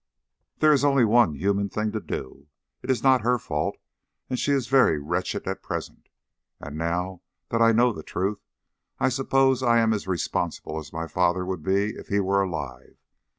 "There is only one human thing to do. It is not her fault, and she is very wretched at present. And now that I know the truth I suppose I am as responsible as my father would be if he were alive.